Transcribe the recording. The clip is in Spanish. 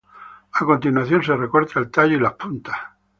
A continuación, se recorta el tallo y las puntas.